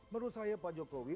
menurut saya pak jokowi